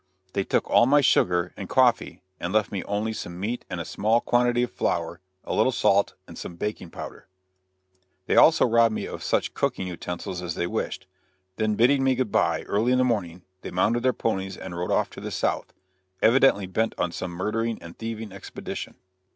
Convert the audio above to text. They took all my sugar and coffee, and left me only some meat and a small quantity of flour, a little salt and some baking powder. They also robbed me of such cooking utensils as they wished; then bidding me good bye, early in the morning, they mounted their ponies and rode off to the south, evidently bent on some murdering and thieving expedition.